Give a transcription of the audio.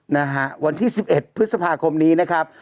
นะฮะวันที่๑๑พฤษภาคมนี้นะครับ